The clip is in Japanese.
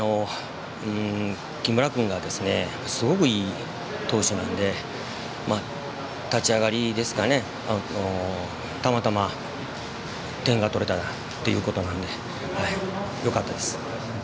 木村君がすごくいい投手なので立ち上がり、たまたま点が取れたっていうことなんでよかったです。